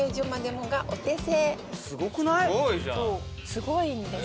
すごいんです。